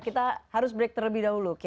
kita harus break terlebih dahulu